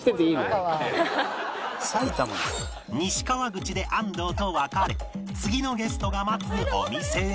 西川口で安藤と別れ次のゲストが待つお店へ